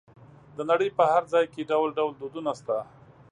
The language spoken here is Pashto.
د نړۍ په هر ځای کې ډول ډول دودونه شته.